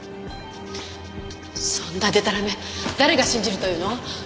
そんなでたらめ誰が信じるというの？